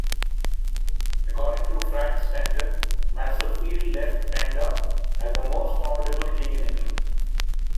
According to Frank Stenton, Maserfield left Penda as the most formidable king in England.